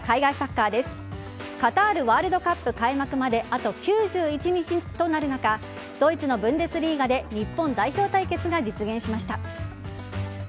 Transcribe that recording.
カタールワールドカップ開幕まであと９１日となる中ドイツのブンデスリーガで日本代表対決が実現しました。